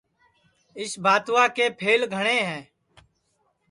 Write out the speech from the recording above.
اِس بھاتوا کے پَھل گھٹؔے ہے